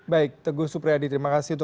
baik teguh supriyadi terima kasih